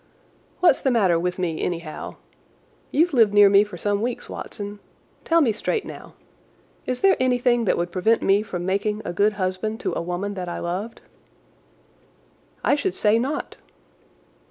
What's the matter with me, anyhow? You've lived near me for some weeks, Watson. Tell me straight, now! Is there anything that would prevent me from making a good husband to a woman that I loved?" "I should say not."